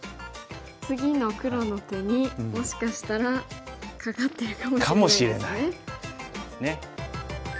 次の黒の手にもしかしたらかかってるかも。かもしれないですね。